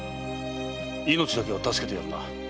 命だけは助けてやるな？